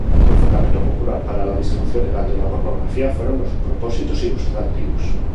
Otro fundamento popular para la distribución legal de la pornografía fueron los "propósitos ilustrativos".